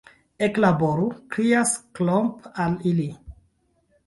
Eklaboru! krias Klomp al ili.